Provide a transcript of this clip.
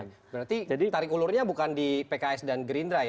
berarti tarik ulurnya bukan di pks dan gerindra ya